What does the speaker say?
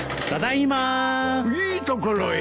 いいところへ！